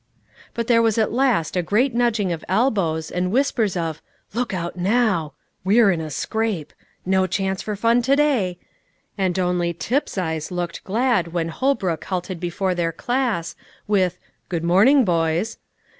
But there was at last a great nudging of elbows, and whispers of "Look out now!" "We're in a scrape!" "No chance for fun today!" And only Tip's eyes looked glad when Holbrook halted before their class, with "Good morning, boys."